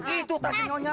itu tasnya nya